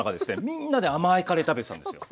みんなで甘いカレー食べてたんですよ。